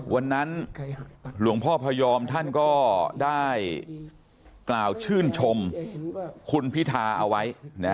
หลวงพ่อพยอมท่านก็ได้กล่าวชื่นชมคุณพิธาเอาไว้